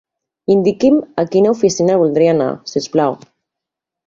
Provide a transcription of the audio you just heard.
Indiqui'm a quina oficina voldria anar, si us plau.